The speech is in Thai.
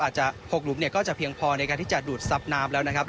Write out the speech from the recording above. ๖หลุมเนี่ยก็จะเพียงพอในการที่จะดูดซับน้ำแล้วนะครับ